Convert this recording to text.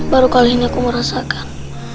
baru kali ini aku merasakan